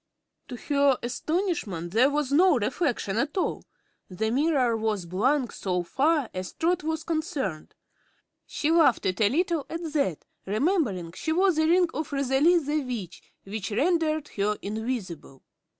To her astonishment there was no reflection at all; the mirror was blank so far as Trot was concerned. She laughed a little, at that, remembering she wore the ring of Rosalie the Witch, which rendered her invisible.